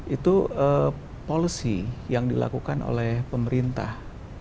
itu policy yang dilakukan oleh pemerintah